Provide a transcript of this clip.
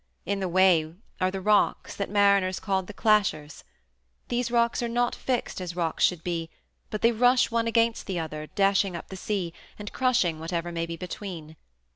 In the way are the rocks that mariners call The Clashers. These rocks are not fixed as rocks should be, but they rush one against the other, dashing up the sea, and crushing whatever may be between.